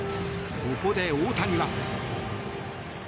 ここで大谷は。